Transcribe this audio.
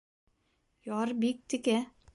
— Яр бик текә.